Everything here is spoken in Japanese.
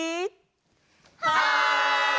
はい！